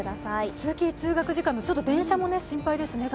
通勤・通学時間の電車もちょっと心配ですね。